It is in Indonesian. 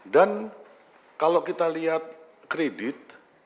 dan kalau kita lihat kredit